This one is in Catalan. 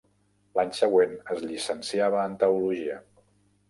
L'any següent es llicenciava en teologia.